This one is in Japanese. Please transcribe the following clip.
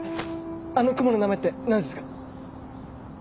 あの雲の名前って何ですか？